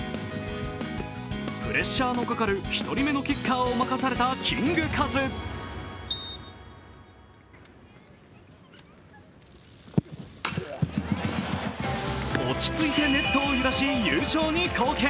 プレッシャーのかかる１人目のキッカーを任されたキングカズ落ち着いてネットを揺らし優勝に貢献。